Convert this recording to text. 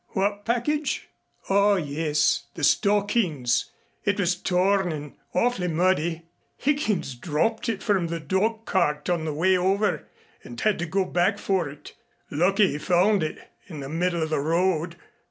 "What package? Oh, yes, the stockings. It was torn and awf'ly muddy. Higgins dropped it from the dog cart on the way over and had to go back for it. Lucky he found it in the middle of the road.